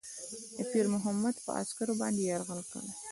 د پیرمحمد پر عسکرو باندي یرغل کړی.